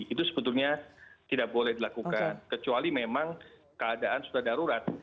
itu sebetulnya tidak boleh dilakukan kecuali memang keadaan sudah darurat